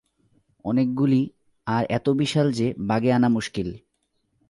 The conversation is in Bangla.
অনেকগুলি, আর এত বিশাল যে বাগে আনা মুস্কিল।